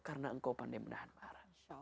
karena engkau pandai menahan marah